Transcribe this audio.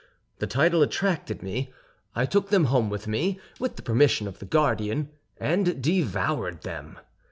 The title attracted me; I took them home with me, with the permission of the guardian, and devoured them.